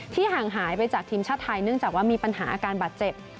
ห่างหายไปจากทีมชาติไทยเนื่องจากว่ามีปัญหาอาการบาดเจ็บ